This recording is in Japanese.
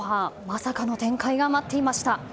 まさかの展開が待っていました。